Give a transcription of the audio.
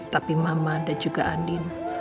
tapi mama dan juga andin